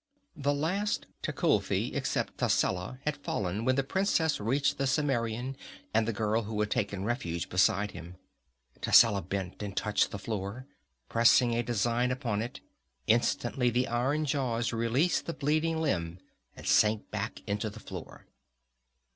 The last Tecuhltli except Tascela had fallen when the princess reached the Cimmerian and the girl who had taken refuge beside him. Tascela bent and touched the floor, pressing a design upon it. Instantly the iron jaws released the bleeding limb and sank back into the floor.